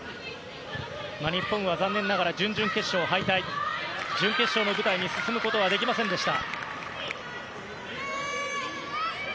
日本は残念ながら準々決勝敗退準決勝の舞台に進むことはできませんでした。